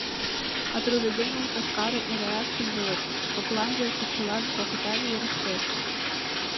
А трудоденьлан пашкарым эреак шындылыт, кокланже кечылан кокытат верештеш.